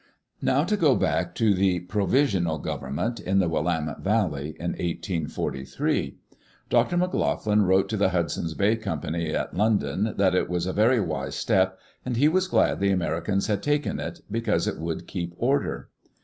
Now to go back to the " provisional government " in the Willamette Valley, in 1843. Dr. McLoughlin wrote to the Hudson's Bay Company at London that it was a very wise step and he was glad the Americans had taken it, because it would keep order.